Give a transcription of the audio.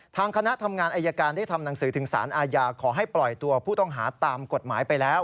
คณะทำงานอายการได้ทำหนังสือถึงสารอาญาขอให้ปล่อยตัวผู้ต้องหาตามกฎหมายไปแล้ว